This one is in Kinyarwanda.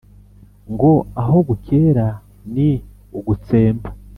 Ngo aho bukera ni ugutsemba.